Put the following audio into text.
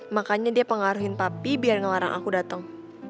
makanya dia pengaruhin papi biar ngelarang aku datang